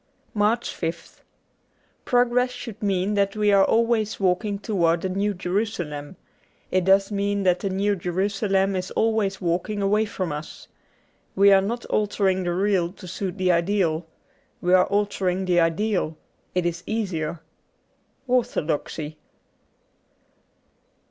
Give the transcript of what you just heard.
70 MARCH 5th PROGRESS should mean that we are always walking towards the New Jerusalem. It does mean that the New Jerusalem is always walking away from us. We are not altering the real to suit the ideal. We are altering the ideal : it is easier. 'Orthodoxy.''